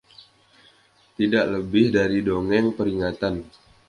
Tidak lebih dari dongeng peringatan.